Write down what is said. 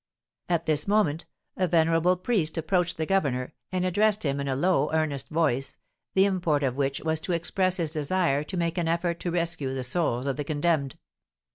At this moment a venerable priest approached the governor, and addressed him in a low, earnest voice, the import of which was to express his desire to make another effort to rescue the souls of the condemned.